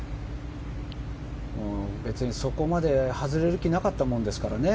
別にそこまで外れる気はなかったですからね。